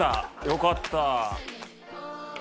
よかった。